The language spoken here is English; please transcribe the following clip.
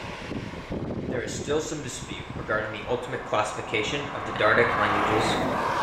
There is still some dispute regarding the ultimate classification of the Dardic languages.